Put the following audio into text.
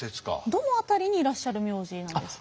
どの辺りにいらっしゃる名字なんですか。